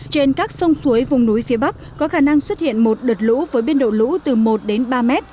trên các sông suối vùng núi phía bắc có khả năng xuất hiện một đợt lũ với biên độ lũ từ một đến ba m